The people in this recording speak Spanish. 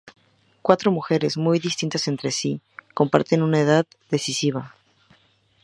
Cuatro mujeres, muy distintas entre sí, comparten una edad decisiva.